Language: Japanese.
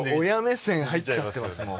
親目線入っちゃってます